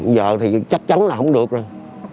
giờ thì chắc chắn là không được rồi